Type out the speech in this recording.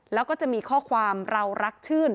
แล้วก็จะมีข้อความเรารักชื่น